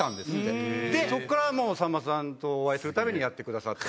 そこからさんまさんお会いするたびにやってくださって。